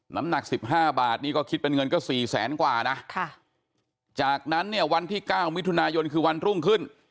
น้ำหนัก๑๕บาทนี่ก็คิดเป็นเงินก็๔แสนกว่านะจากนั้นเนี่ยวันที่๙มิถุนายนคือวันรุ่งขึ้น